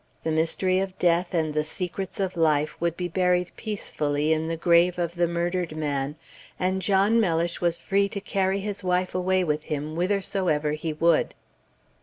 The mystery of death and the secrets of life would be buried peacefully in the grave of the murdered man, and John Mellish was free to carry his wife away with him whithersoever he would.